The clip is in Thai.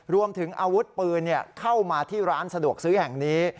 รวมถึงอาวุธปืนเข้ามาที่ร้านสะดวกซื้อแห่งนี้